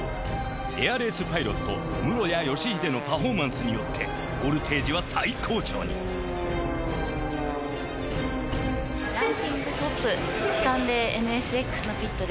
エアレースパイロット室屋義秀のパフォーマンスによってボルテージは最高潮に俺たちは強い！